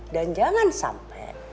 dan jangan sampai